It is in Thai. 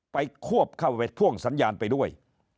ควบเข้าพ่วงสัญญาณไปด้วย